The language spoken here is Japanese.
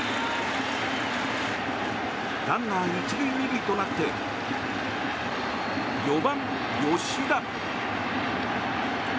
ランナー１塁２塁となって４番、吉田。